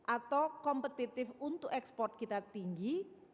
atau kompetitif untuk ekspor kita tinggi